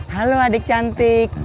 halo adik cantik